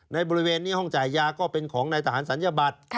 บริเวณนี้ห้องจ่ายยาก็เป็นของนายทหารศัลยบัตร